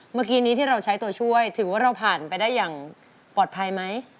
ถึงว่าเราผ่านไปได้อย่างปลอดภัยไหม